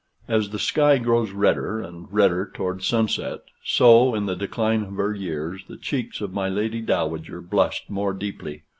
As the sky grows redder and redder towards sunset, so, in the decline of her years, the cheeks of my Lady Dowager blushed more deeply.